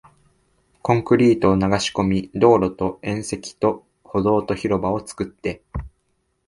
コンクリートを流し込み、道路と縁石と歩道と広場を作って